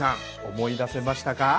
思い出せましたか？